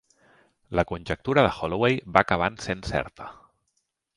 La conjectura de Holloway va acabant sent certa.